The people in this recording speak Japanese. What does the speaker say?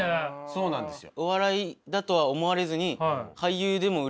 そうなんですよ。